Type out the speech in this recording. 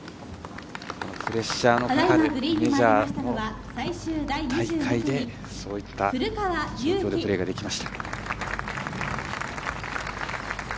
プレッシャーのかかるメジャーの大会でそういったプレーができました。